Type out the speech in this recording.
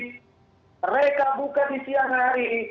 mereka buka di siang hari